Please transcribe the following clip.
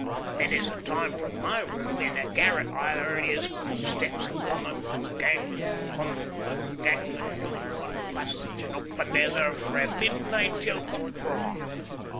Many's the time frae my room in the garret I've heard his futsteps comin' and gangin', comin' and gangin' doon one passage and up anither frae midnight till cockcraw.